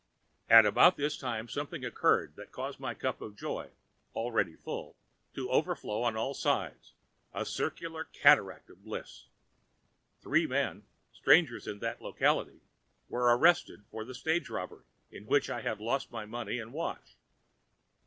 "At about this time something occurred which caused my cup of joy, already full, to overflow on all sides, a circular cataract of bliss. Three men, strangers in that locality, were arrested for the stage robbery in which I had lost my money and watch.